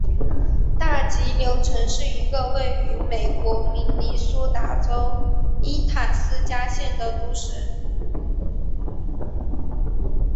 大急流城是一个位于美国明尼苏达州伊塔斯加县的都市。